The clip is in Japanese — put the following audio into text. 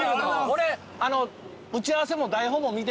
俺。